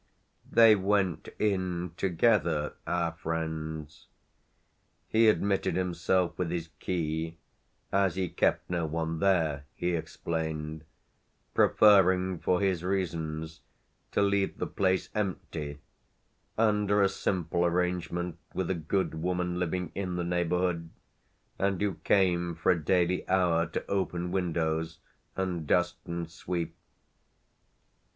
They went in together, our friends; he admitted himself with his key, as he kept no one there, he explained, preferring, for his reasons, to leave the place empty, under a simple arrangement with a good woman living in the neighbourhood and who came for a daily hour to open windows and dust and sweep.